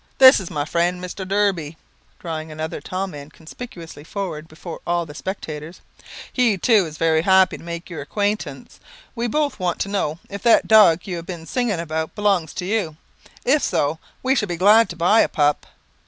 This is my friend, Mr. Derby," drawing another tall man conspicuously forward before all the spectators. "He, tew, is very happy to make your acquaintance. We both want to know if that dog you have been singing about belongs to you. If so, we should be glad to buy a pup."